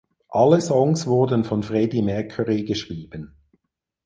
Alle Songs wurden von Freddie Mercury geschrieben.